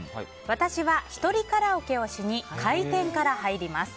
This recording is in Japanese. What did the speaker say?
私は１人カラオケをしに開店から入ります。